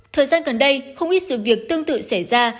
thời gian gần đây không ít sự việc tương tự xảy ra